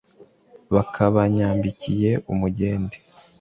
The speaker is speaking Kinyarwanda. bakabanyambikiye umudende